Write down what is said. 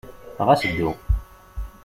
Ɣas ddu.